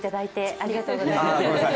ありがとうございます。